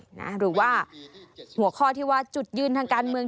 หรือว่าหัวข้อที่ว่าจุดยืนทางการเมือง